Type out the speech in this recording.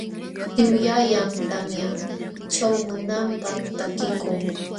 Tiwllallam tamya ćhaamunanpaq takikun.